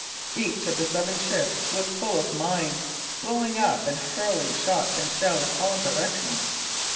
Each of the seven ships was full of mines, blowing up and hurling shot and shell in all directions.